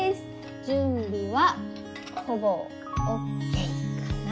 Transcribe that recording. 準備はほぼＯＫかな。